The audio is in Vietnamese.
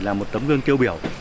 là một tấm gương tiêu biểu